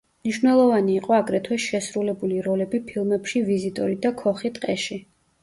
მნიშვნელოვანი იყო აგრეთვე შესრულებული როლები ფილმებში „ვიზიტორი“ და „ქოხი ტყეში“.